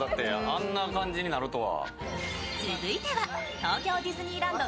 あんな感じになるとは。